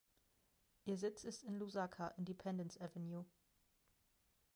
Ihr Sitz ist in Lusaka, Independence Avenue.